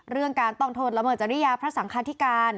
เรื่องการต้องโทษละเมิดจริยาพระสังคาธิการ